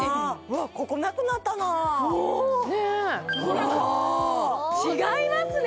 わっここなくなったなねっ違いますね